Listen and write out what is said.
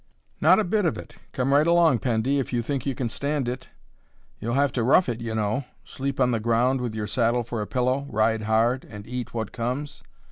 "Not a bit of it! Come right along, Pendy, if you think you can stand it. You'll have to rough it, you know; sleep on the ground with your saddle for a pillow, ride hard, and eat what comes."